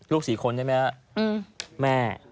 ลูกศรีคนเนี่ยแม่